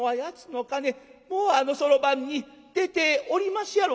もうあのそろばんに出ておりますやろか？」。